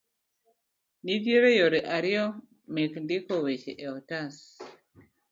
Nitie yore ariyo mek ndiko weche e otas